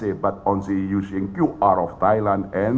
tetapi hanya menggunakan qr di thailand